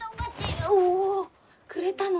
おおくれたの？